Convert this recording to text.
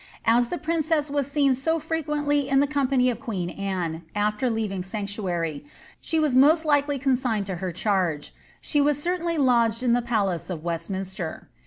As the princess was seen so frequently in the company of queen Anne after leaving sano« tuary, she was most likely consigned to her charge ; she was certainly lodged in the palace of Westminster.